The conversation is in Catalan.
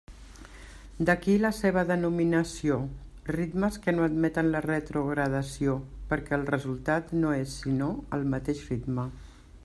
D'aquí la seva denominació: ritmes que no admeten la retrogradació, perquè el resultat no és sinó el mateix ritme.